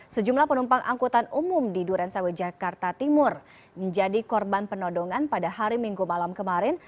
sejumlah penumpang angkutan umum di durensawi jakarta timur menjadi korban penodongan pada hari minggu malam kemarin